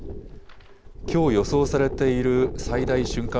きょう予想されている最大瞬間